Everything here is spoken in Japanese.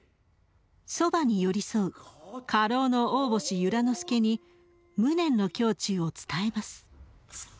そばに寄り添う家老の大星由良之助に無念の胸中を伝えます。